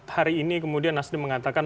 hari ini kemudian nasdem mengatakan